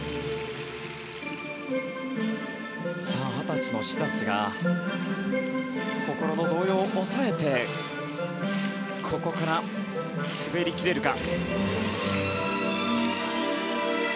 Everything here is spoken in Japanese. さあ、二十歳のシザスが心の動揺を抑えてここから滑り切れるか。